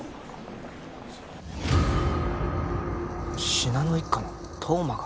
信濃一家の当麻が？